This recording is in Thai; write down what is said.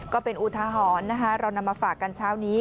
ก็เป็นอุทหรณ์นะคะเรานำมาฝากกันเช้านี้